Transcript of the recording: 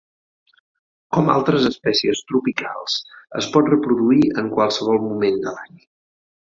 Com altres espècies tropicals, es pot reproduir en qualsevol moment de l'any.